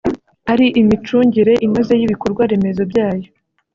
ari imicungire inoze y’ibikorwaremezo byayo